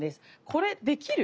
これできる？